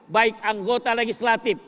baik anggota legislatif